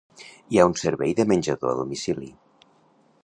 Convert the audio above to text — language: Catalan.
Hi ha un servei de menjador a domicili.